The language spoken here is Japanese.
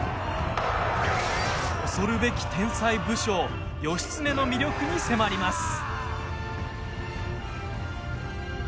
恐るべき天才武将義経の魅力に迫ります。